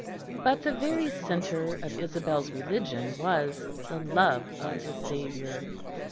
But the very centre of Isabel's religion was the love of the Saviour.